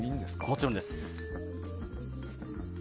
もちろんです。